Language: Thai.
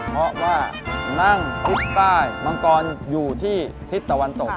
เพราะว่านั่งทิศใต้มังกรอยู่ที่ทิศตะวันตก